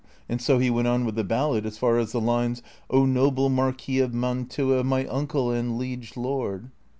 27 And so he went on with the ballad as far as the lines :" O noble Marquis of Mantua, My Unck' and liegf lord!